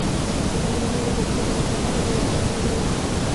د هند د نیمې وچې ستره ډیموکراسي د بېوسۍ سلګۍ وهي.